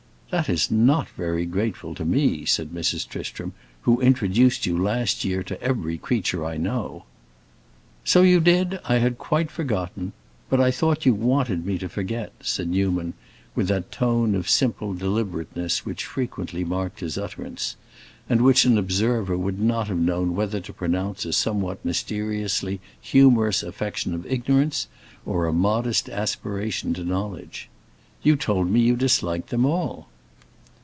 "That is not very grateful to me," said Mrs. Tristram, "who introduced you last year to every creature I know." "So you did; I had quite forgotten. But I thought you wanted me to forget," said Newman, with that tone of simple deliberateness which frequently marked his utterance, and which an observer would not have known whether to pronounce a somewhat mysteriously humorous affection of ignorance or a modest aspiration to knowledge; "you told me you disliked them all."